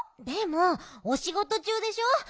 でもおしごと中でしょ？